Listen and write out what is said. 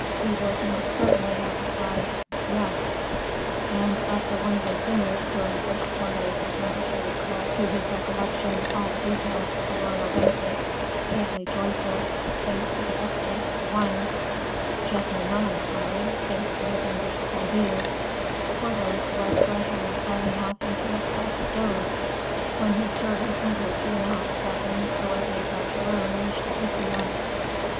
he would most certainly have replied, "Yes." After one of those dinners, during which Porthos attempted to recall to his recollection all the details of the royal banquet, gently joyful, thanks to the excellence of the wines; gently melancholy, thanks to his ambitious ideas, Porthos was gradually falling off into a placid doze, when his servant entered to announce that M. de Bragelonne wished to speak to him.